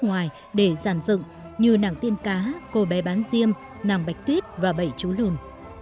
ngoài để giàn dựng như nàng tiên cá cô bé bán diêm nàng bạch tuyết và bậy chú lùn